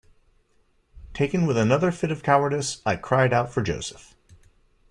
Taken with another fit of cowardice, I cried out for Joseph.